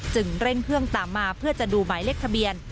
เร่งเครื่องตามมาเพื่อจะดูหมายเลขทะเบียน